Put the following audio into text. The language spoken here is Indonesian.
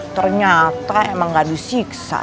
ternyata emang gak disiksa